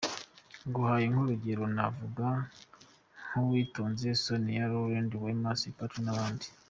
Nguhaye nk’urugero navuga nka Uwitonze Sonia Rolland, Wema Sepetu n’abandi.